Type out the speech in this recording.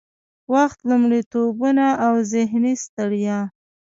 وخت، لومړيتوبونه او ذهني ستړيا